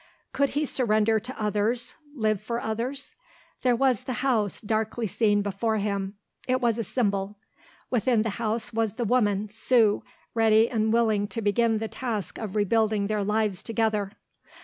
Could he surrender to others, live for others? There was the house darkly seen before him. It was a symbol. Within the house was the woman, Sue, ready and willing to begin the task of rebuilding their lives together.